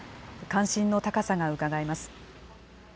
関心の高さがうかがえます。